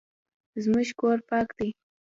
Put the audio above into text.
زموږ کور پاک دی